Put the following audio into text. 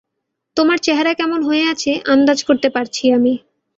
তোমার চেহারা কেমন হয়ে আছে আন্দাজ করতে পারছি আমি।